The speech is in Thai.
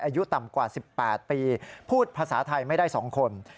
อายุต่ำกว่า๑๘ปีพูดภาษาไทยไม่ได้๒คน